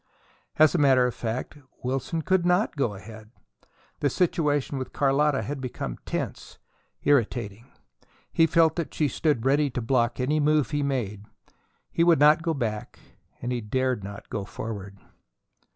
As a matter of fact, Wilson could not go ahead. The situation with Carlotta had become tense, irritating. He felt that she stood ready to block any move he made. He would not go back, and he dared not go forward.